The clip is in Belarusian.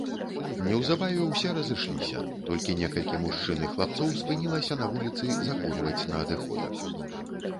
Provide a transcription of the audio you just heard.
Неўзабаве ўсе разышліся, толькі некалькі мужчын і хлапцоў спынілася на вуліцы закурваць на адыходак.